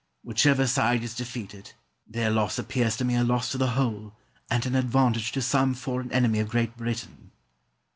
Whichever side is defeated, their loss appears to me a loss to the whole and an advantage to some foreign enemy of Great Britain.